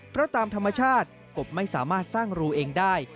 เพราะตามธรรมชาติกบไม่สามารถสร้างรูเองได้